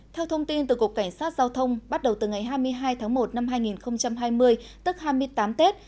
theo thông tin từ cục cảnh sát giao thông bắt đầu từ ngày hai mươi hai tháng một năm hai nghìn hai mươi tức hai mươi tám tết